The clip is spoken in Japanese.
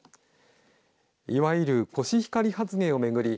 いわゆるコシヒカリ発言を巡り